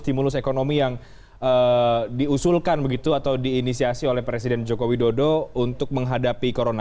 stimulus ekonomi yang diusulkan begitu atau diinisiasi oleh presiden joko widodo untuk menghadapi corona